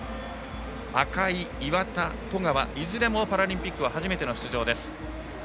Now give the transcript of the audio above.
赤井、岩田、十川いずれもパラリンピックは初めての出場。